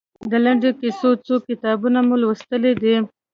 د لنډو کیسو څو کتابونه مو لوستي دي؟